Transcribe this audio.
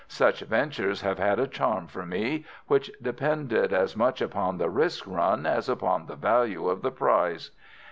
Such ventures have had a charm for me, which depended as much upon the risk run as upon the value of the prize.